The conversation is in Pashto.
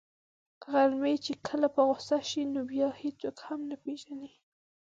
خر مې چې کله په غوسه شي نو بیا هیڅوک هم نه پيژني.